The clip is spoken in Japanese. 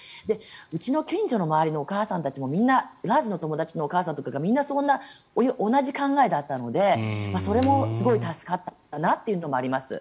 うちの近所のお母さんとかもラーズについてみんなそんな同じ考えだったのでそれもすごい助かったなというのはあります。